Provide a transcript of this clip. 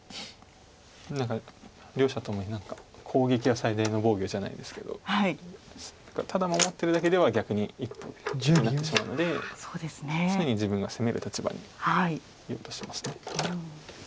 何か両者とも「攻撃は最大の防御」じゃないですけどただ守ってるだけでは逆に一歩後手になってしまうので常に自分が攻める立場にいようとします。